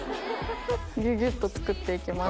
ギュギュっと作っていきます。